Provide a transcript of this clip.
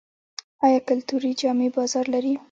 آیا کلتوري جامې بازار لري؟